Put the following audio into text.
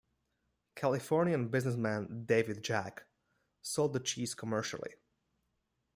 Californian businessman David Jack sold the cheese commercially.